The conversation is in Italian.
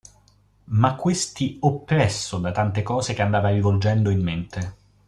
Ma questi oppresso da tante cose che andava rivolgendo in mente.